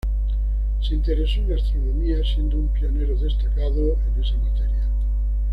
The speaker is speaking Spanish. Se interesó en la astronomía, siendo un pionero destacado en esa materia.